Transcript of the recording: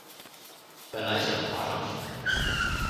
本来想爬上去